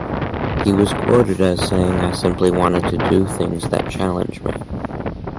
He was quoted as saying I simply wanted to do things that challenge me.